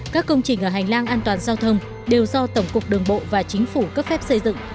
các công trình ở hành lang an toàn giao thông đều do tổng cục đường bộ và chính phủ cấp phép xây dựng